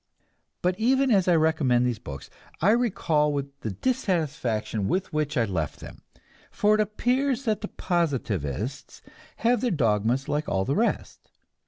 But even as I recommend these books, I recall the dissatisfaction with which I left them; for it appears that the Positivists have their dogmas like all the rest.